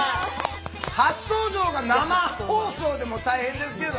初登場が生放送でも大変ですけど。